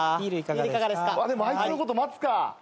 でもあいつのこと待つか。